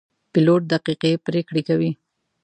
پیلوټ دقیقې پرېکړې کوي.